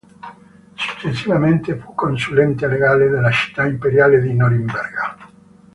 Successivamente, fu consulente legale della città imperiale di Norimberga.